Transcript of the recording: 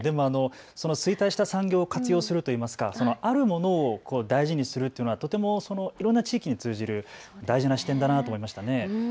その衰退した産業を活用するといいますかあるものは大事するというのはいろんな地域に通じる大事な視点だなと思いましたね。